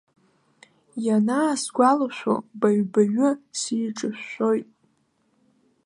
Ианаасгәалашәо, баҩ-баҩы сеиҿышәшәоит.